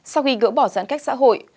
sau khi gỡ bỏ giãn cách xã hội